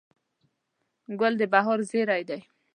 ګل د بهار زېری دی.